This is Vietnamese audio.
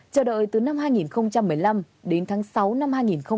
chờ đợi từ năm hai nghìn một mươi năm đến tháng sáu năm hai nghìn một mươi tám